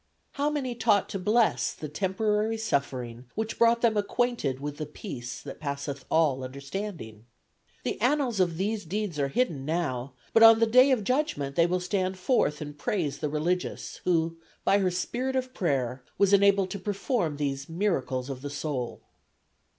How many taught to bless the temporary suffering which brought them acquainted with the peace that passeth all understanding! The annals of these deeds are hidden now; but on the Day of Judgment they will stand forth and praise the religious, who, by her spirit of prayer, was enabled to perform these 'miracles of the soul.